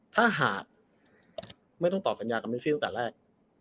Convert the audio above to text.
ถ้าหากไม่ต้องตอบสัญญากับเมซี่ตั้งแต่แรก